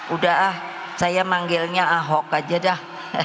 udah ah saya manggilnya ahok aja dah